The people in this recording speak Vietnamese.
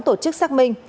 tổ chức xác minh